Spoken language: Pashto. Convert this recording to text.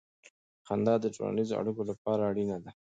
خندا د ټولنیزو اړیکو لپاره اړینه ده.